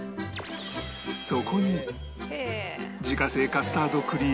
そこに自家製カスタードクリームをたっぷり注ぎ